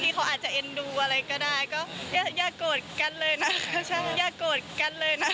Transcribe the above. ที่เขาอาจจะเอ็นดูอะไรก็ได้ก็ยากโกรธกันเลยนะค่ะ